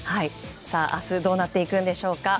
明日どうなっていくんでしょう。